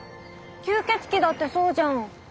吸血鬼だってそうじゃん。